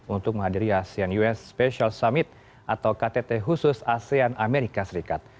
untuk menghadiri asean us special summit atau ktt khusus asean amerika serikat